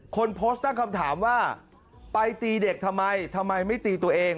คนโพสต์ตั้งคำถามว่าไปตีเด็กทำไมทำไมไม่ตีตัวเอง